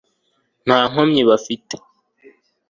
nta nkomyi bafite